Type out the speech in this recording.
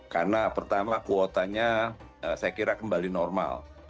karena pertama kuotanya saya kira kembali normal